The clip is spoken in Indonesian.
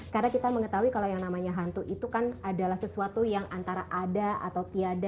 karena kita mengetahui kalau yang namanya hantu itu kan adalah sesuatu yang antara ada atau tiada